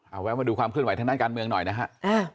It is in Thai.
เอาแวะมาดูความเคลื่อนไหทางด้านการเมืองหน่อยนะฮะ